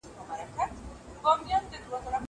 خارښت او درد عامې نښې دي.